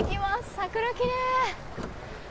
桜、きれい！